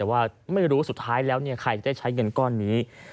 แต่ว่าไม่รู้สุดท้ายแล้วใครจะได้ใช้เงินก้อนนี้